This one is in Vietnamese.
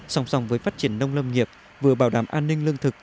sòng sòng với phát triển nông lâm nghiệp vừa bảo đảm an ninh lương thực